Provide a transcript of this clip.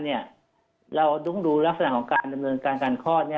เราต้องดูลักษณะของการดำเนินการการคลอด